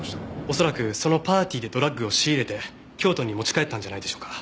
恐らくそのパーティーでドラッグを仕入れて京都に持ち帰ったんじゃないでしょうか。